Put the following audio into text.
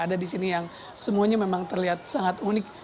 ada di sini yang semuanya memang terlihat sangat unik